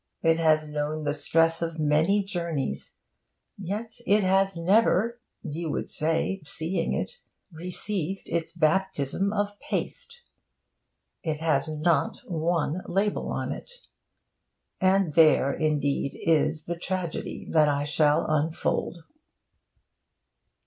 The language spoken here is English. it has known the stress of many journeys; yet has it never (you would say, seeing it) received its baptism of paste: it has not one label on it. And there, indeed, is the tragedy that I shall unfold.